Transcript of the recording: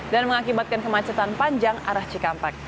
dan mengakibatkan kemacetan panjang arah cikampek